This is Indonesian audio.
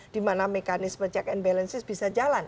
dimana mekanisme check and balances bisa jalan